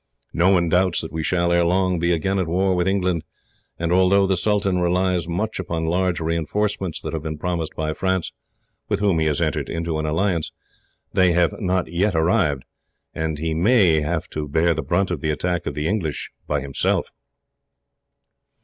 No one doubts that we shall, ere long, be again at war with England, and although the sultan relies much upon large reinforcements that have been promised by France, with whom he has entered into an alliance, they have not yet arrived, and he may have to bear the brunt of the attack of the English by himself."